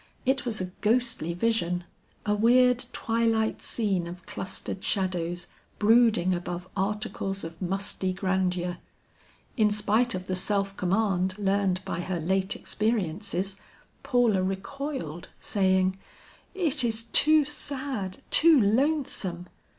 It was a ghostly vision. A weird twilight scene of clustered shadows brooding above articles of musty grandeur. In spite of the self command learned by her late experiences, Paula recoiled, saying, "It is too sad, too lonesome!"